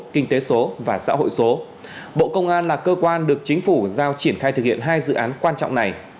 kinh tế số và xã hội số bộ công an là cơ quan được chính phủ giao triển khai thực hiện hai dự án quan trọng này